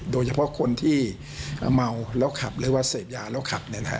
โดยเฉพาะคนที่เมาแล้วขับหรือว่าเสพยาแล้วขับ